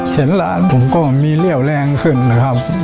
เห็นหลานผมก็มีเรี่ยวแรงขึ้นนะครับ